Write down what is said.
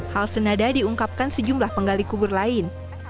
hal senada diungkapkan sejumlah penggali kubur lain